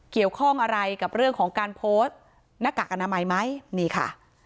เกี่ยวข้องอะไรกับเรื่องของการโพสต์หน้ากากอนามัยไหมนี่ค่ะ